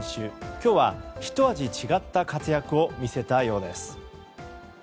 今日は、ひと味違った活躍を見せたようです。